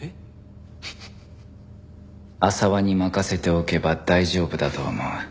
浅輪に任せておけば大丈夫だと思う